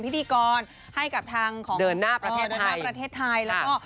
และก็ให้ความร่วมมือกับทางอะไรหนูด้วย